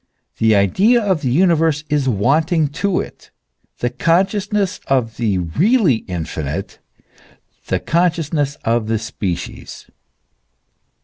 The idea of the universe is wanting to it, the con sciousness of the really infinite, the consciousness of the species.